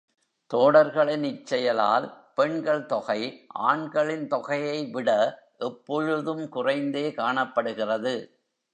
தோடர்களின் இச்செயலால் பெண்கள் தொகை ஆண்களின் தொகையைவிட எப் பொழுதும் குறைந்தே காணப்படுகிறது.